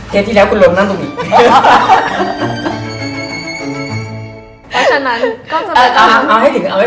เทปที่แล้วกูลงนั่งตรงนี้